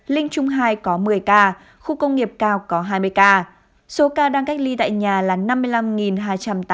linh trung hai có một mươi ca khu công nghiệp cao có hai mươi ca số ca đang cách ly tại nhà là năm mươi năm hai trăm tám mươi tám ca